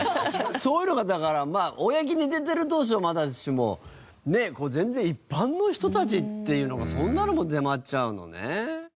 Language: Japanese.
そういうのがだからまあ公に出てる同士ならまだしもね全然一般の人たちっていうのがそんなのも出回っちゃうのね。